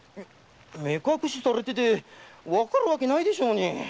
目隠しされててわかるわけないでしょうに。